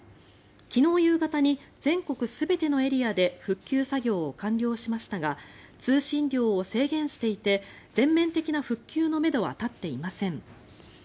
昨日夕方に全国全てのエリアで復旧作業を完了しましたが通信量を制限していて全面的な復旧のめどは立っていません。